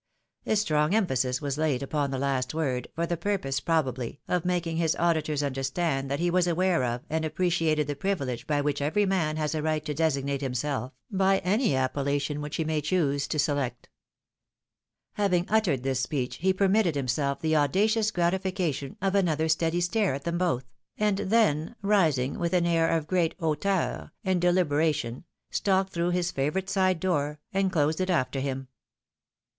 A strong emphasis was laid upon the last word, for the purpose, probably, of making his auditors understand that he was aware OOU THE WIDOW MARRIED. of and appreciated the privilege by ■which every man has a right to designate himself by any appellation he may choose to select. Having uttered this speech, he permitted himself the auda cious gratification of another steady stare at them both ; and then, rising with an air of great hauteur and delibera tion, stalked through his favourite side door, and closed it after him.